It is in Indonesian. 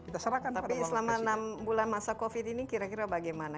tapi selama enam bulan masa covid ini kira kira bagaimana